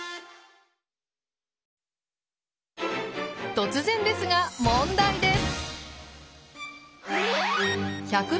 突然ですが問題です！